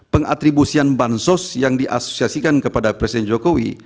pengatribusian bansos yang diasosiasikan kepada presiden jokowi